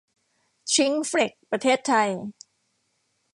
ชริ้งเฟล็กซ์ ประเทศไทย